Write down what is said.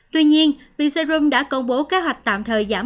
tuy nhiên viện serum đã công bố kế hoạch tạm thời giảm